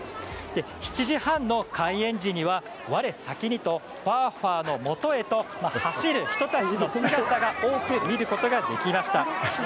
７時半の開園時には、我先にとファーファーのもとへと走る人たちの姿を多く見ることができました。